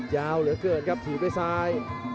ยาวเหลือเกินครับถีบด้วยซ้าย